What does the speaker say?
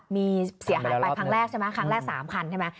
มีเสียหายไปครั้งแรกใช่ไหมครั้งแรก๓คันใช่ไหม